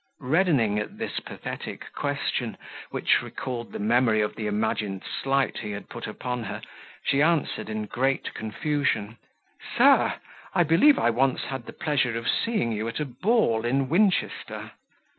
Reddening at this pathetic question, which recalled the memory of the imagined slight he had put upon her, she answered in great confusion, "Sir, I believe I once had the pleasure of seeing you at a ball in Winchester."